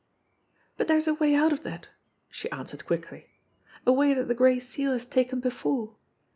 "But there's a way out of that," she answered quickly. "A way that the Gray Seal has taken before.